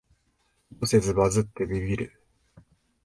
意図せずバズってビビる